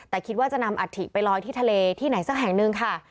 แต่คิดว่าจะนำอัฐิไปลอยที่ทะเลที่ไหนสักแห่งหนึ่งค่ะ